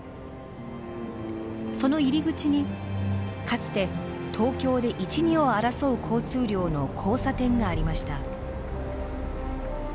その入り口にかつて東京で一二を争う交通量の交差点がありました。